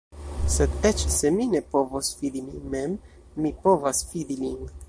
Sed, eĉ se mi ne povos fidi min mem, mi povas fidi lin.